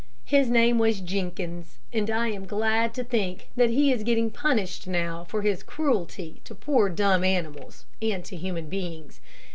His name was Jenkins, and I am glad to think that he is getting punished now for his cruelty to poor dumb animals and to human beings.